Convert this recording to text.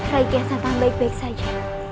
raiki yang santang baik baik saja